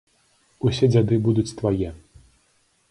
Усе дзяды будуць твае!